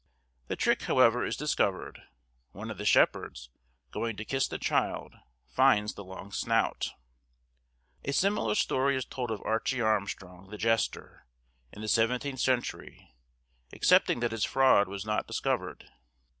The trick, however, is discovered, one of the Shepherds, going to kiss the child, finds the long snout. A similar story is told of Archie Armstrong, the jester, in the seventeenth century, excepting that his fraud was not discovered.